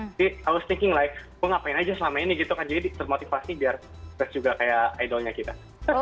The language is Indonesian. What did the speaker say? jadi i was thinking like kok ngapain aja selama ini gitu kan jadi termotivasi biar terus juga kayak idolnya kita